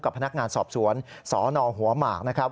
พนักงานสอบสวนสนหัวหมากนะครับ